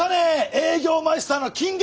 営業マイスターの金言！